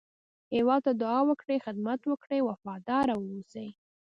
هېواد ته دعا وکړئ، خدمت وکړئ، وفاداره واوسی